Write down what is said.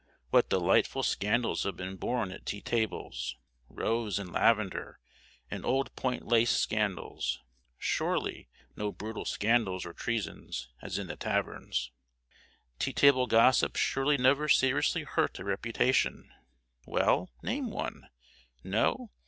What delightful scandals have been born at tea tables rose and lavender, and old point lace scandals: surely, no brutal scandals or treasons, as in the tavern. Tea table gossip surely never seriously hurt a reputation. Well, name one. No?